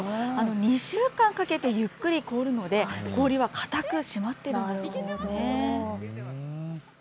２週間かけてゆっくり凍るので、氷は固くしまっているんだそうですね。